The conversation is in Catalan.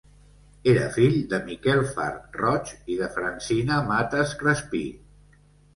Era fill de Miquel Far Roig i de Francina Mates Crespí.